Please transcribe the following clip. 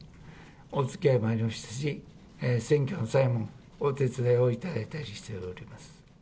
おつきあいもありましたし、選挙の際もお手伝いをいただいたりしております。